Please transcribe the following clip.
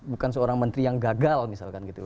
bukan seorang menteri yang gagal misalkan gitu